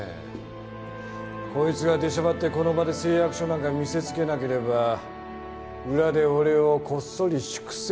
こいつが出しゃばってこの場で誓約書なんか見せつけなければ裏で俺をこっそり粛清できたのに。